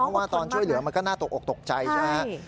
เพราะว่าตอนช่วยเหลือมันก็น่าตกออกตกใจใช่ไหมครับ